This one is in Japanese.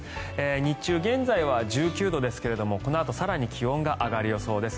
日中、現在は１９度ですがこのあと更に気温が上がる予想です。